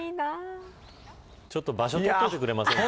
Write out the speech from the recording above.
ちょっと場所取っといてくれませんか。